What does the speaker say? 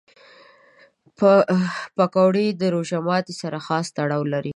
پکورې د روژه ماتي سره خاص تړاو لري